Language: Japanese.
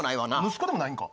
息子でもないんか？